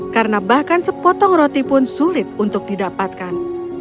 karena bahkan sepotong roti pun sulit untuk didapatkan